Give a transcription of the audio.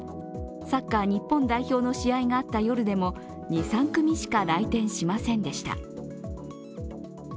サッカー日本代表の試合があった夜でも２３組しか来店しませんでした。